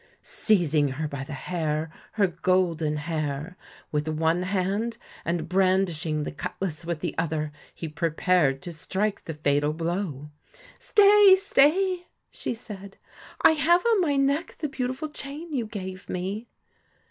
Seizing her by the hair her golden hair with one hand, and brandishing the cutlass with the other, he prepared to strike the fatal blow. 'Stay! stay!' she said; 'I have on my neck the beautiful chain you gave me.'